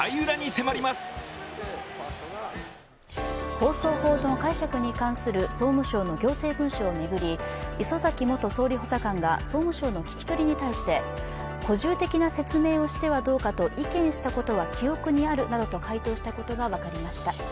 放送法の解釈に関する総務省の行政文書を巡り礒崎元総理補佐官が総務省の聞き取りに対して補充的な説明をしてはどうかと意見したことは記憶にあるなどと回答したことが分かりました。